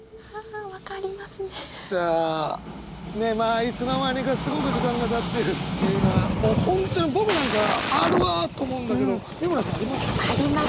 いつの間にかすごく時間がたってるっていうのはもう本当に僕なんかはあるわと思うんだけど美村さんあります？あります。